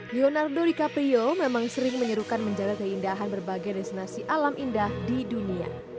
yunardo dicaprio memang sering menyerukan menjaga keindahan berbagai destinasi alam indah di dunia